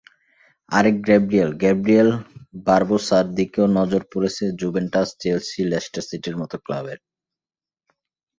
আরেক গ্যাব্রিয়েল—গ্যাব্রিয়েল বারবোসার দিকেও নজর পড়েছে জুভেন্টাস, চেলসি, লেস্টার সিটির মতো ক্লাবের।